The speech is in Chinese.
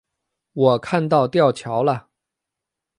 我看到吊桥了